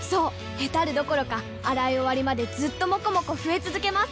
ヘタるどころか洗い終わりまでずっともこもこ増え続けます！